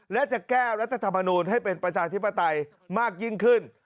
และจะแก้รัฐธรรมนูลให้เป็นประชาธิปไตยมากยิ่งขึ้น